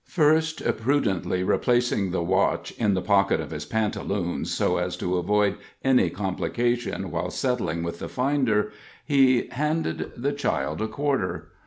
First prudently replacing the watch in the pocket of his pantaloons, so as to avoid any complication while settling with the finder, he handed the child a quarter.